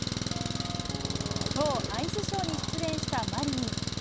きょう、アイスショーに出演したマリニン。